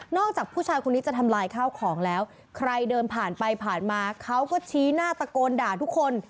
จากผู้ชายคนนี้จะทำลายข้าวของแล้วใครเดินผ่านไปผ่านมาเขาก็ชี้หน้าตะโกนด่าทุกคน